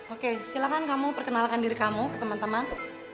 oke silahkan kamu perkenalkan diri kamu ke teman teman